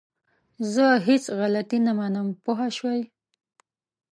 زه هيڅ غلطي نه منم! پوه شوئ!